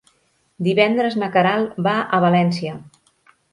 Divendres na Queralt va a València.